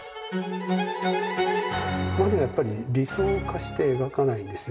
マネはやっぱり理想化して描かないんですよ